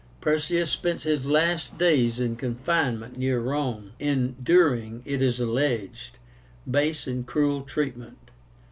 Perseus spent his last days in confinement near Rome, enduring, it is alleged, base and cruel treatment.